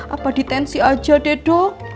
apa detensi aja deh dok